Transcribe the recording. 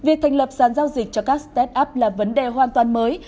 việc thành lập sàn giao dịch cho các start up là vấn đề hoàn toàn mới